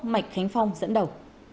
mạch khánh phong dẫn đầu